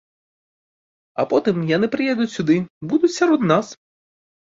А потым яны прыедуць сюды, будуць сярод нас.